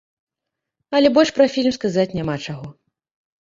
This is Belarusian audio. Але больш пра фільм сказаць няма чаго.